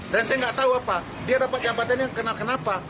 dan saya nggak tahu apa dia dapat jabatan yang kenal kenal apa